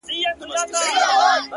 زه د لاسونو د دعا له دايرې وتلی”